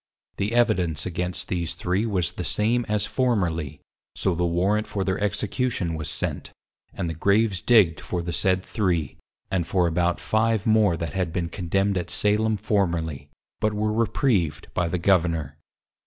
The Evidence against these three was the same as formerly, so the Warrant for their Execution was sent, and the Graves digged for the said three, and for about five more that had been Condemned at Salem formerly, but were Repreived by the Governour.